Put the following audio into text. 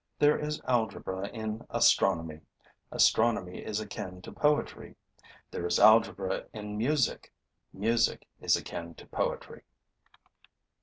There is algebra in astronomy: astronomy is akin to poetry; there is algebra in music: music is akin to poetry.'